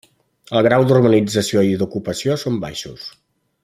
El grau d'urbanització i d'ocupació són baixos.